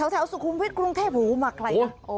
แถวสุขุมวิทย์กรุงเทพมาไกลนะ